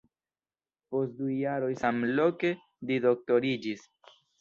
Post du jaroj samloke li doktoriĝis.